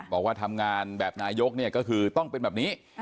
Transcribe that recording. บอกว่าทำงานแบบนายยกต้องเป็นแบบนี้